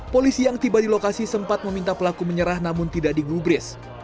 polisi yang tiba di lokasi sempat meminta pelaku menyerah namun tidak digubris